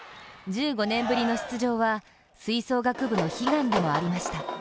１５年ぶりの出場は吹奏楽部の悲願でもありました。